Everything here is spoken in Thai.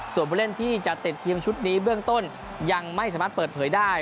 ส่วนผู้เล่นที่จะติดทีมชุดนี้เบื้องต้นยังไม่สามารถเปิดเผยได้